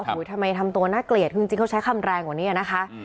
ทำไมทำตัวน่าเกลียดคือจริงเขาใช้คำแรงกว่านี้นะคะ